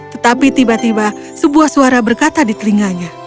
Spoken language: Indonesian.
tetapi tiba tiba sebuah suara berkata di telinganya